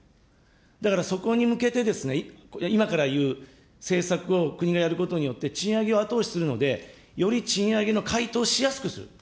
だからそこに向けて、今から言う政策を国がやることによって、賃上げを後押しするので、より賃上げの回答をしやすくする。